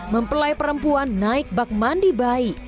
mempelai perempuan naik bak mandi bayi